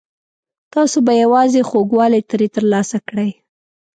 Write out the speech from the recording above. تاسو به یوازې خوږوالی ترې ترلاسه کړئ.